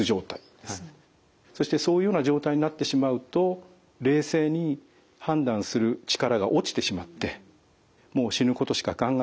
そしてそういうような状態になってしまうと冷静に判断する力が落ちてしまってもう死ぬことしか考えられなくなる。